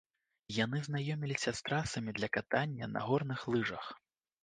Яны знаёміліся з трасамі для катання на горных лыжах.